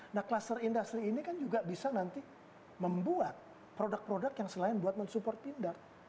nah cluster industri ini kan juga bisa nanti membuat produk produk yang selain buat mensupport pindad